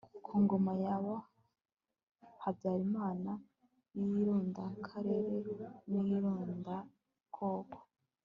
ku ngoma ya habyarimana y'irondakarere n'irondakoko